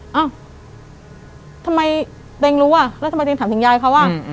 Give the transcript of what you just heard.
ช่างไปทำไมเต๋งรู้อะแล้วทำไมเต๋งติดยายเขาอ่ะ